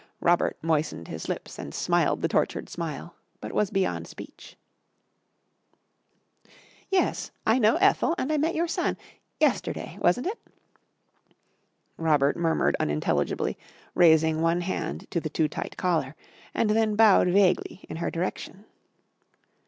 Robert moistened his lips and smiled the tortured smile, but was beyond speech. "Yes, I know Ethel and I met your son yesterday, wasn't it?" Robert murmured unintelligibly, raising one hand to the too tight collar, and then bowed vaguely in her direction.